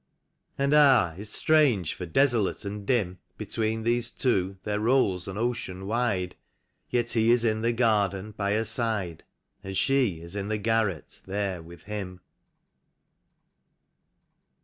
And ah, it's strange, for desolate and dim Between these two there rolls an ocean wide; Yet he is in the garden by her side. And she is in the garret there with him.